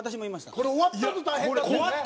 これ終わったあと大変。